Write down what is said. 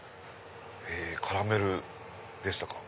カラメルでしたか。